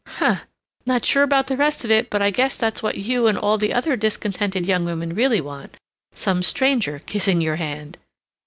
"Huh! Not sure about the rest of it but I guess that's what you and all the other discontented young women really want: some stranger kissing your hand!"